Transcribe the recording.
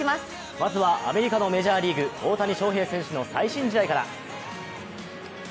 まずはアメリカのメジャーリーグ大谷翔平選手の最新試合から。